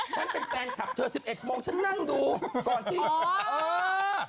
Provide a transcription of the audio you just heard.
ฉันเป็นแฟนคลับเธอ๑๑โมงฉันนั่งดูก่อนที่เออ